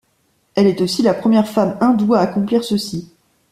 Elle est aussi la première femme hindoue à accomplir ceci.